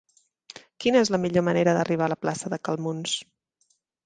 Quina és la millor manera d'arribar a la plaça de Cal Muns?